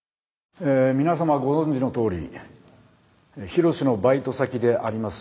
え皆様ご存じのとおり緋炉詩のバイト先であります